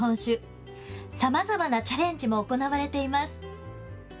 さまざまなチャレンジも行われています。